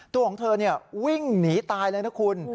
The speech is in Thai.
ตัวของเธอวิ่งหนีตายเลยนะคุณ